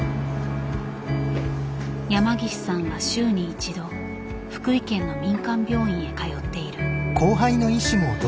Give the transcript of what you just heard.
山岸さんは週に１度福井県の民間病院へ通っている。